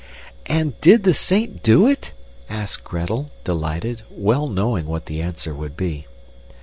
"And did the saint do it?" asked Gretel, delighted, well knowing what the answer would be.